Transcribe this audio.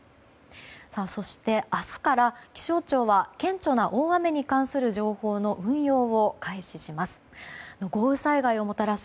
そして、明日から気象庁は顕著な大雨に関する情報の運用を開始します。